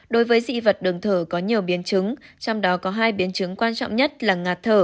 đối với dị vật đường thở có nhiều biến chứng trong đó có hai biến chứng quan trọng nhất là ngạt thở